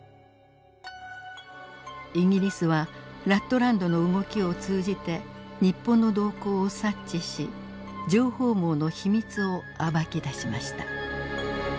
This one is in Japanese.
イギリスはラットランドの動きを通じて日本の動向を察知し情報網の秘密を暴き出しました。